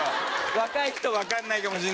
若い人わかんないかもしれないけど。